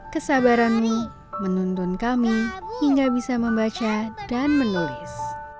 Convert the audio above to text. kesabaranmu menuntun kami hingga bisa membaca dan menulis